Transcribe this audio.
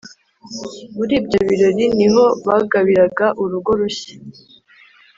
muri ibyo birori ni ho bagabiraga urugo rushya